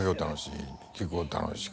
結構楽しい。